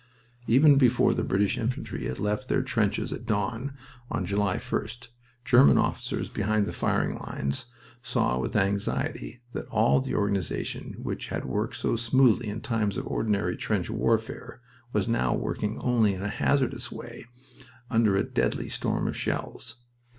Even before the British infantry had left their trenches at dawn on July 1st, German officers behind the firing lines saw with anxiety that all the organization which had worked so smoothly in times of ordinary trench warfare was now working only in a hazardous way under a deadly storm of shells.